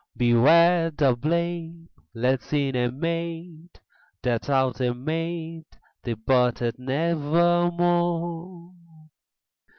Beware! the blade Lets in a maid. That out a maid Departeth nevermore!